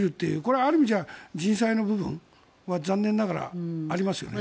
ある意味じゃ、人災の部分はありますよね。